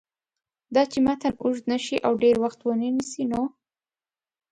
داچې متن اوږد نشي او ډېر وخت ونه نیسي نو